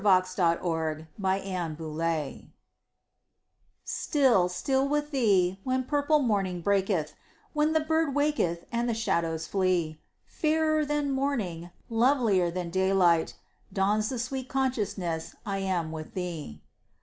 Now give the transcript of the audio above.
Y Z Still, Still with Thee STILL, still with Thee, when purple morning breaketh, When the bird waketh and the shadows flee; Fairer than morning, lovilier than daylight, Dawns the sweet consciousness I am with Thee.